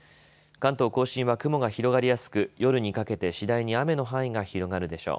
関東甲信は雲が広がりやすく夜にかけて次第に雨の範囲が広がるでしょう。